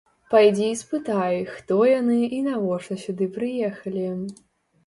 Падыйдзі і спытай, хто яны і навошта сюды прыехалі.